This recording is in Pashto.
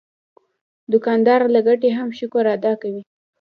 دوکاندار له ګټې هم شکر ادا کوي.